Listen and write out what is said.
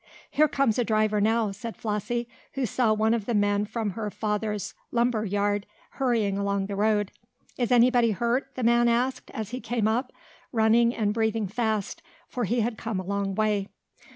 "Here comes a driver now," said Flossie, who saw one of the men from her father's lumber yard hurrying along the road. "Is anybody hurt?" the man asked, as he came up, running and breathing fast, for he had come a long way.